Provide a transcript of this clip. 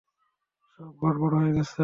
সব গড়বড় হয়ে গেছে।